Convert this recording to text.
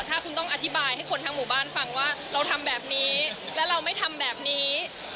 ถ้าคุณต้องอธิบายให้คนทั้งหมู่บ้านฟังว่าเราทำแบบนี้และเราไม่ทำแบบนี้